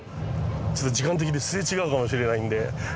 時間的にすれ違うかもしれないんで。